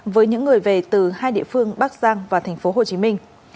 với những người về từ hai địa phương bắc giang và tp hồ chí minh